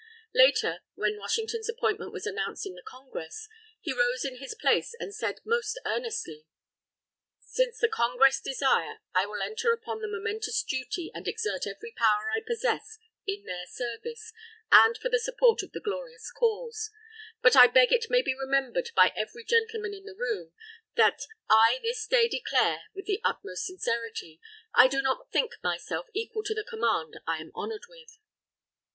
Later, when Washington's appointment was announced in the Congress, he rose in his place, and said most earnestly: "Since the Congress desire, I will enter upon the momentous duty and exert every power I possess in their service and for the support of the glorious cause. "But I beg it may be remembered by every gentleman in the room, that I this day declare, with the utmost sincerity, I do not think myself equal to the command I am honoured with."